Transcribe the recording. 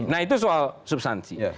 nah itu soal subsansi